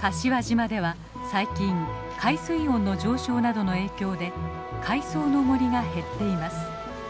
柏島では最近海水温の上昇などの影響で海藻の森が減っています。